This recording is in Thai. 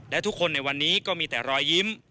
และทุกคนในวันนี้ก็มีแต่รอยยิ้ม